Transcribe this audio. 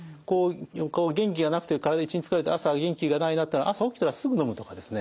元気がなくて体一日疲れて朝元気がないなってのは朝起きたらすぐのむとかですね。